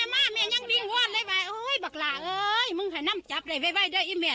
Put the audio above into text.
แม่มาแม่ยังบิงว่าบักล่าเฮ้ยมึงไหนน่ำจับไม่ด้วยไอ้แม่